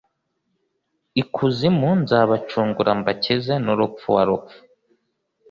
Ikuzimu nzabacungura mbakize n urupfu wa rupfu